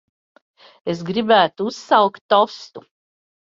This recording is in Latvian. Es gribētu uzsaukt tostu.